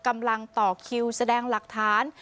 กำลังต่อคิวแสดงหลักฐาน